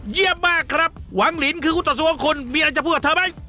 เยี่ยมมากครับหวังลินคืออุตสวงคุณมีอะไรจะพูดกับเธอไหม